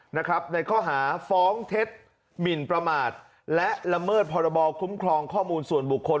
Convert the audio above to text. ในข้อหาฟ้องเท็จหมินประมาทและละเมิดพรบคุ้มครองข้อมูลส่วนบุคคล